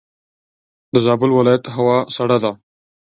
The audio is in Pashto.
دزابل ولایت هوا سړه ده.